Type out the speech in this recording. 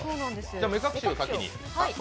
じゃ目隠しを先に。